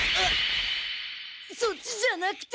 そっちじゃなくて！